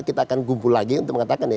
kita akan kumpul lagi untuk mengatakan ya